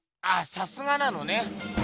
あさすがなのね。